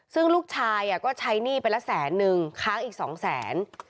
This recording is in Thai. ซึ่งลูกชายก็ใช้หนี้ไปละแสนนึงค้างอีก๒แสน